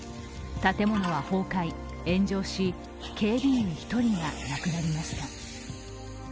建物は崩壊、炎上し、警備員１人が亡くなりました。